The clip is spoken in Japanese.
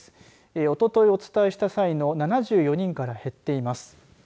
おととい、お伝えした際の７４人から減っています。